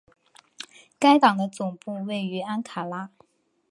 该党的总部位于安卡拉。